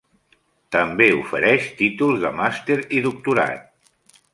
També ofereix títols de màster i doctorat.